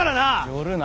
寄るな！